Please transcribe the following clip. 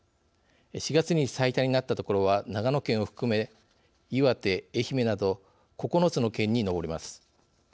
４月に最多になった所は長野県を含め岩手愛媛など９つの県に上ります。